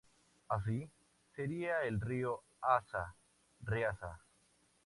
Así, sería el río Aza, Riaza.